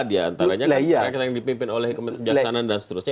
diantaranya yang dipimpin oleh kemenjaksanaan dan seterusnya